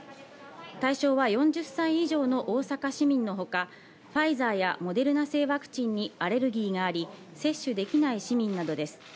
対象は４０歳以上の大阪市民のほか、ファイザーやモデルナ製ワクチンにアレルギーがあり、接種できない市民などです。